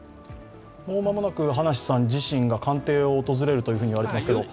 もう間もなく葉梨さん自身が官邸を訪れると言われていますけれども。